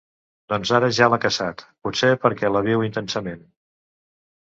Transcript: Doncs ara ja l'ha caçat, potser perquè la viu intensament.